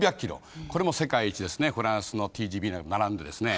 これも世界一ですねフランスのＴＧＶと並んでですね。